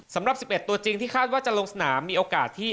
สำหรับ๑๑ตัวจริงที่คาดว่าจะลงสนามมีโอกาสที่